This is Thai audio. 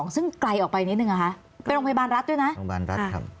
ซึ่งไกลออกไปนิดนึงนะคะเป็นโรงพยาบาลรัฐด้วยนะโรงพยาบาลรัฐครับ